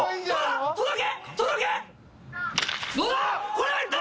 これはいった！